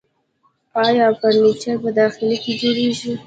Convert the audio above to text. آیا فرنیچر په داخل کې جوړیږي؟